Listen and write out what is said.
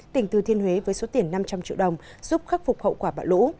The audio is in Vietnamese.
tỉnh thừa thiên huế với số tiền năm trăm linh triệu đồng giúp khắc phục hậu quả bão lũ